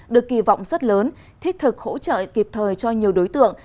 được kỳ vọng rất lớn thích thực hỗ trợ kịp thời cho nhiều đối tượng